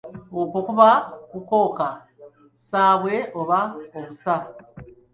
Okwo kuba kukoka ssaabwe oba obusa.